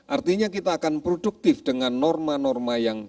artinya kita akan produktif dengan norma norma yang